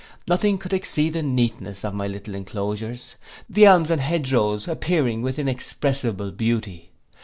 Nothing could exceed the neatness of my little enclosures: the elms and hedge rows appearing with inexpressible beauty.